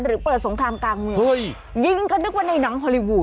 หรือเปิดสงครามกลางเมืองเฮ้ยยิงเขานึกว่าในหนังฮอลลี่วูด